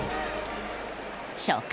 初回。